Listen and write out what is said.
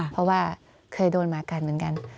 เพราะว่าเคยโดนหมากัดเหมือนกัน